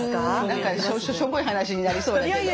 何かしょぼい話になりそうだけど。